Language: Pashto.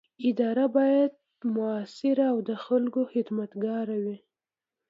اداره باید مؤثره او د خلکو خدمتګاره وي.